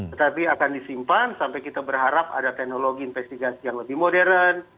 tetapi akan disimpan sampai kita berharap ada teknologi investigasi yang lebih modern